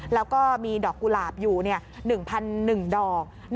แล้วก็มีดอกกุหลาบอยู่๑๑ดอก